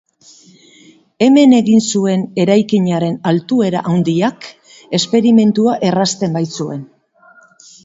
Hemen egin zuen, eraikinaren altuera handiak, esperimentua errazten baitzuen.